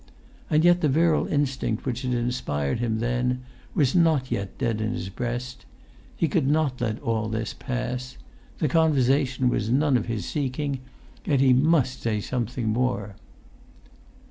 And yet the virile instinct which had inspired him then was not yet dead in his breast; he could not let all this pass; the conversation was none of his seeking, yet he must say something more.